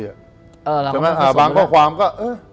ใช่ไหมบางข้อความก็เออ